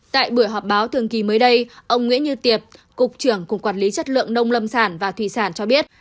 tại buổi họp báo thường kỳ mới đây ông nguyễn như tiệp cục trưởng cục quản lý chất lượng nông lâm sản và thủy sản cho biết